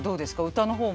歌の方も。